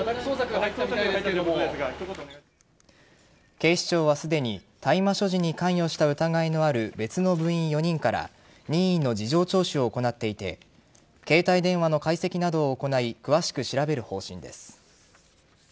警視庁は、すでに大麻所持に関与した疑いのある別の部員４人から任意の事情聴取を行っていて携帯電話の解析などを行い詳しく調べる方針です。